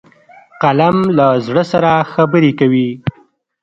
قلم له زړه سره خبرې کوي